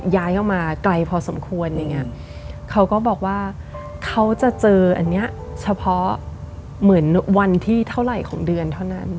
ย้ายออกมาไกลพอสมควรอย่างเงี้ยเขาก็บอกว่าเขาจะเจออันเนี้ยเฉพาะเหมือนวันที่เท่าไหร่ของเดือนเท่านั้น